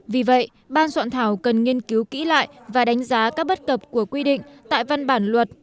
vì vậy ban soạn thảo cần nghiên cứu kỹ lại và đánh giá các bất cập của quy định tại văn bản luật